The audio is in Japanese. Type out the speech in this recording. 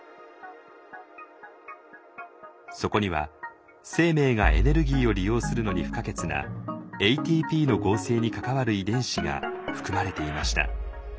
そこには生命がエネルギーを利用するのに不可欠なＡＴＰの合成に関わる遺伝子が含まれていました。